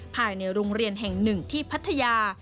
ภายในโรงเรียนแห่งหนึ่งที่พัทยา